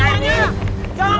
ayo pak sebentar